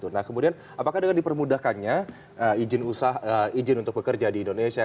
nah kemudian apakah dengan dipermudahkannya izin untuk bekerja di indonesia